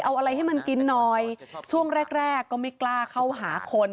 เอาอะไรให้มันกินหน่อยช่วงแรกแรกก็ไม่กล้าเข้าหาคน